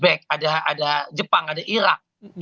selain indonesia uzbek ada jepang ada irak